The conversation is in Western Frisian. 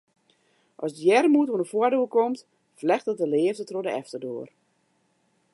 As de earmoed oan 'e foardoar komt, flechtet de leafde troch de efterdoar.